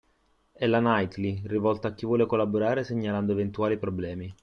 E la Nightly, rivolta a chi vuole collaborare segnalando eventuali problemi.